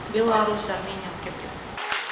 dalam dua tahun